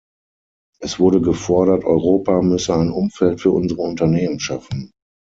Es wurde gefordert, Europa müsse ein Umfeld für unsere Unternehmen schaffen.